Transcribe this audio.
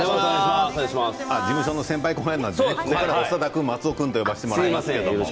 事務所の先輩後輩なのでここからは長田君、松尾君と呼ばせていただきます。